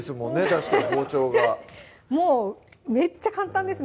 確かに包丁がもうめっちゃ簡単です